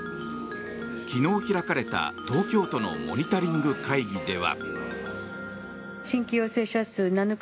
昨日開かれた、東京都のモニタリング会議では。